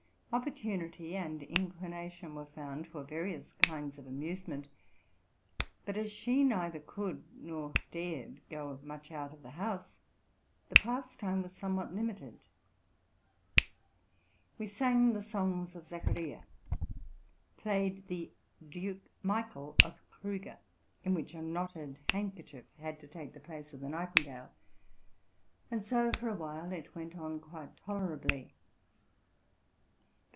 Opportunity and inclination were found for various kinds of amusement. But, as she neither could nor dared go much out of the house, the pastime was somewhat limited. We sang the songs of Zacha ria; played the '* Duke Michael'"' of Kriger, in which a knotted handkerchief had to take the place of the nightin gale; and so, for a while; it went on quite tolerably.